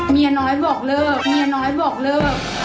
เมียน้อยบอกเลิกเมียน้อยบอกเลิก